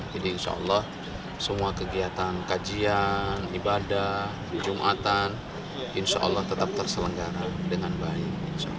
insya allah semua kegiatan kajian ibadah jumatan insya allah tetap terselenggara dengan baik